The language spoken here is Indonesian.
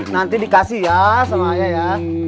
nanti dikasih ya sama ayah ya